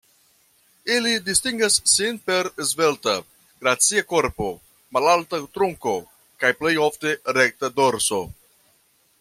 Ili distingas sin per svelta, gracia korpo, malalta trunko kaj plej ofte rekta dorso.